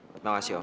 terima kasih om